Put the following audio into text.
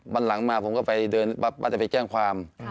วันหลังมาผมก็ไปเดินเป็นวัดไปแกล้งความ